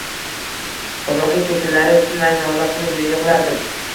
Xudoga kechalari tinmay nola qilib yig`lardim